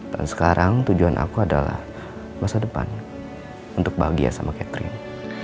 dan sekarang tujuan aku adalah masa depan untuk bahagia sama catherine